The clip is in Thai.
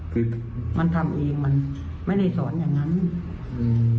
คือมันทำเองมันไม่ได้สอนอย่างงั้นอืม